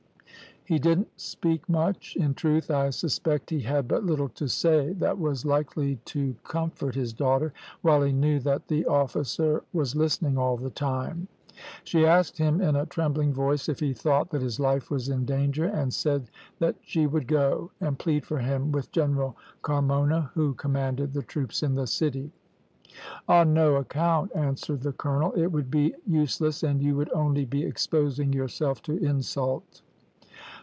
He didn't speak much; in truth, I suspect he had but little to say that was likely to comfort his daughter, while he knew that the officer was listening all the time. She asked him in a trembling voice if he thought that his life was in danger, and said that she would go and plead for him with General Carmona, who commanded the troops in the city. "`On no account,' answered the colonel, `it would be useless, and you would only be exposing yourself to insult.'